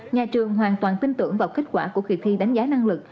nhà trường hoàn toàn tin tưởng vào kết quả của kỳ thi đánh giá năng lực